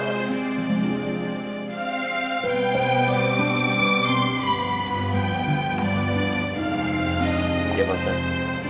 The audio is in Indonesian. saya mau ke situ dulu